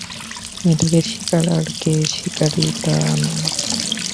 এটা কে শিকার আর কে শিকারি তা নয়।